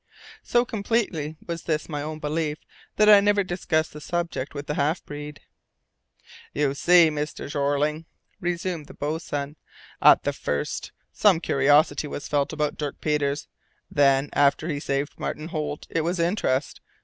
So completely was this my own belief that I never discussed the subject with the half breed. "You see, Mr. Jeorling," resumed the boatswain, "at the first some curiosity was felt about Dirk Peters. Then, after he saved Martin Holt, it was interest.